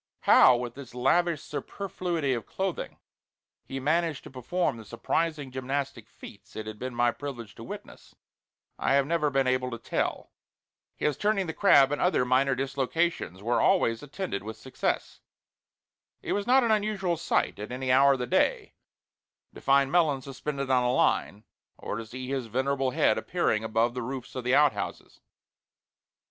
How, with this lavish superfluity of clothing, he managed to perform the surprising gymnastic feats it had been my privilege to witness, I have never been able to tell. His "turning the crab," and other minor dislocations, were always attended with success. It was not an unusual sight at any hour of the day to find Melons suspended on a line, or to see his venerable head appearing above the roofs of the outhouses.